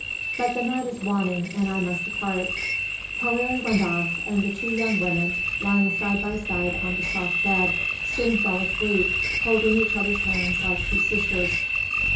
But the night is waning and I must depart." Poëri went off, and the two young women, lying side by side on the soft bed, soon fell asleep, holding each other's hands like two sisters.